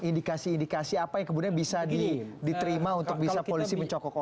indikasi indikasi apa yang kemudian bisa diterima untuk bisa polisi mencokok